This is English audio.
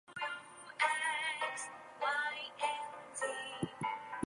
Indeed this new constitution does not satisfy many people.